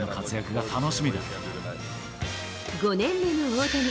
５年目の大谷。